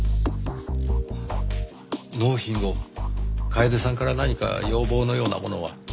納品後楓さんから何か要望のようなものは？